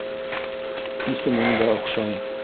Исемең дә оҡшай.